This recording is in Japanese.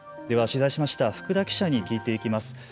では、取材しました福田記者に聞いていきます。